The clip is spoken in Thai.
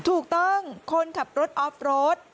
ถูกต้องคนขับรถออฟโรด